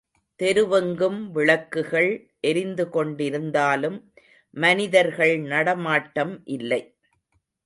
தெருவெங்கும் விளக்குகள் எரிந்து கொண்டிருந்தாலும், மனிதர்கள் நடமாட்டம் இல்லை.